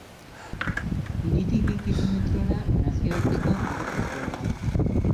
Hiritik bi kilometrora nazioarteko aireportua dago.